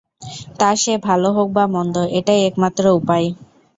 তা সে ভালো হোক বা মন্দ, এটাই একমাত্র উপায়।